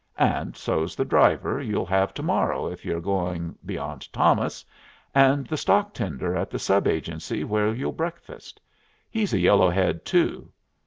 "And so's the driver you'll have to morrow if you're going beyond Thomas, and the stock tender at the sub agency where you'll breakfast. He's a yellow head too.